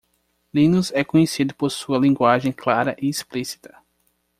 Linus é conhecido por sua linguagem clara e explícita.